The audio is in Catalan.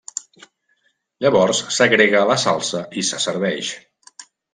Llavors s'agrega la salsa i se serveix.